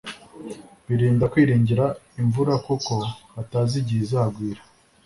birinda kwiringira imvura kuko batazi igihe izagwira